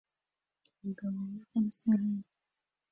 Umugabo woza amasahani